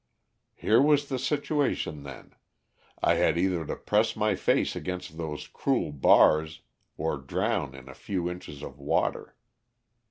"Here was the situation, then I had either to press my face against those cruel bars or drown in a few inches of water.